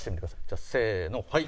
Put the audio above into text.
じゃあせーのはい。